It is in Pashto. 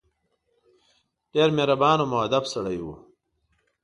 ډېر مهربان او موءدب سړی وو.